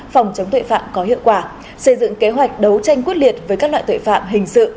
phòng chống tội phạm có hiệu quả xây dựng kế hoạch đấu tranh quyết liệt với các loại tội phạm hình sự